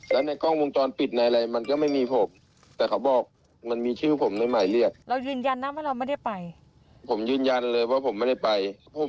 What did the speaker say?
เรายืนยันนะว่าเราไม่ได้ไป